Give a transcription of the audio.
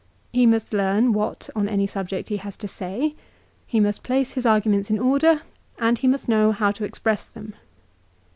He must learn what on any subject he has to say, he must place his arguments in order, and he must know how to express them.